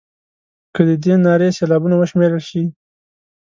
که د دې نارې سېلابونه وشمېرل شي.